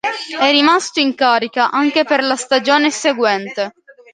È rimasto in carica anche per la stagione seguente.